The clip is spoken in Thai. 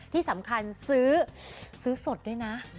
ที่สำคัญซื้อสดด้วยนะ